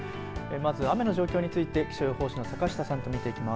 まずは雨の状況について気象予報士の坂下さんと見ていきます。